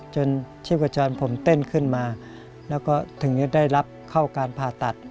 ชีพจรผมเต้นขึ้นมาแล้วก็ถึงจะได้รับเข้าการผ่าตัด